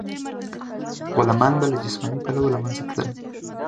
غلامان به له جسماني پلوه له منځه تلل.